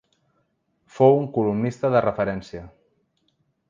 Fou un columnista de referència.